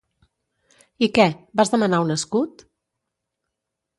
I què, vas demanar un escut?